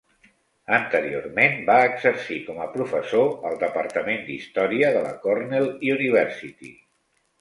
Anteriorment va exercir com a professor al departament d'història de la Cornell University.